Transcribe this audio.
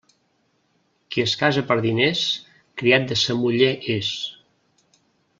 Qui es casa per diners, criat de sa muller és.